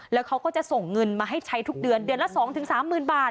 แล้วเขาก็จะส่งเงินมาให้ใช้ทุกเดือนเดือนละ๒๓๐๐๐บาท